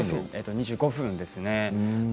２５分ですね。